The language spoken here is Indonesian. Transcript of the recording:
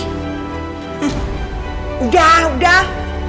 hmm udah udah